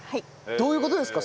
どういう事ですか？